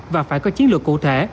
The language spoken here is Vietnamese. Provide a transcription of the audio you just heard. và phải có chiến lược cụ thể